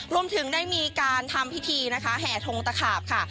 รวมถึงได้มีการทำพิธีนะคะแห่ทงตะขาบค่ะ